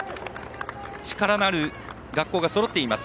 力のある学校がそろっています。